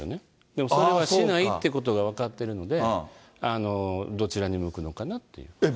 でもそれはしないっていうことが分かってるので、どちらに向くのかなっていうことです。